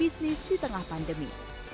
untuk memperbaiki bisnis di tengah pandemi